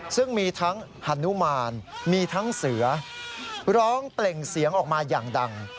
ซึ่งมีทั้งฮานุมานมีทั้งเสือร้องเปล่งเสียงออกมาอย่างดัง